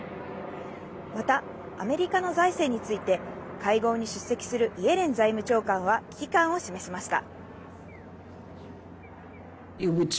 また、アメリカの財政について、会合に出席するイエレン財務長官は、危機感を示しました。